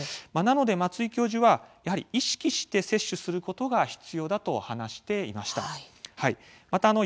なので松井教授は意識して摂取することが必要だと話していました。